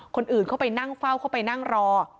คนอื่นเข้าไปนั่งเฝ้าเข้าไปนั่งรอ